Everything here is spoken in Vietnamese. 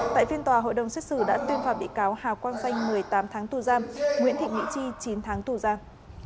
tại phiên tòa hội đồng xuất xử đã tuyên phạm bị cáo hào quang xanh một mươi tám tháng tù giam nguyễn thị nghị chi chín tháng tù giam